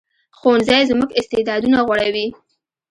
ښوونځی زموږ استعدادونه غوړوي